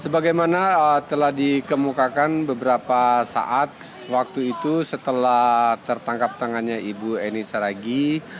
sebagaimana telah dikemukakan beberapa saat waktu itu setelah tertangkap tangannya ibu eni saragi